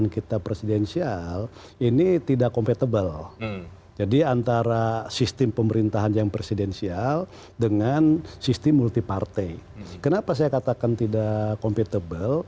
kenapa saya katakan tidak compatable